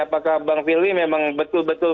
apakah bang firly memang betul betul